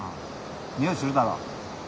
においするだろ。